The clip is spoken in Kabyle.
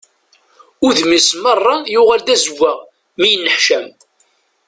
Udem-is merra yuɣal d azewwaɣ mi yenneḥcam.